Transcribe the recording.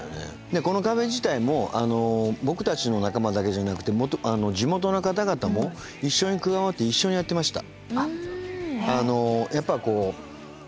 でこのカフェ自体も僕たちの仲間だけじゃなくて地元の方々も一緒に加わって一緒にやってました。